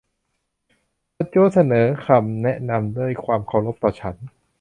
สจ๊วตเสนอคำแนะนำด้วยความเคารพต่อฉัน